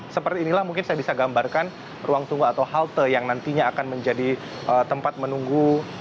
seperti inilah mungkin saya bisa gambarkan ruang tunggu atau halte yang nantinya akan menjadi tempat menunggu